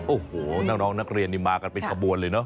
โอ้โหน้องนักเรียนนี่มากันเป็นขบวนเลยเนอ